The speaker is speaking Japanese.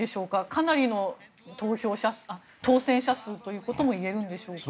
かなりの当選者数ということもいえるんでしょうか。